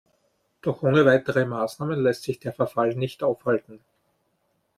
Doch ohne weitere Maßnahmen lässt sich der Verfall nicht aufhalten.